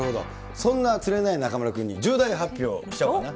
そんな釣れない中丸君に重大発表しちゃおうかな。